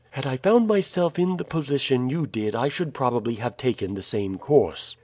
Had I found myself in the position you did I should probably have taken the same course.